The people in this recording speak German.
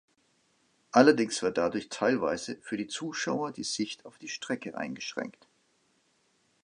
Allerdings wird dadurch teilweise für die Zuschauer die Sicht auf die Strecke eingeschränkt.